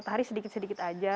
jadi sedikit sedikit aja